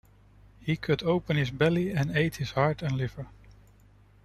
He cut open his belly and ate his heart and liver.